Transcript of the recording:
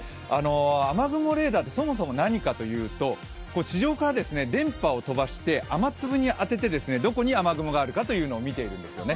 雨具もレーダーって、そもそも何かというと、地上から電波を当てて、どこに雨雲があるかというのを見ているんですね。